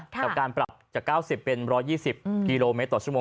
กับการปรับจาก๙๐เป็น๑๒๐กิโลเมตรต่อชั่วโมง